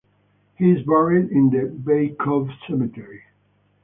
He is buried in the Baikove Cemetery.